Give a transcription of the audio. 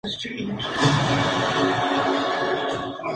Sale a final de temporada por altos costos.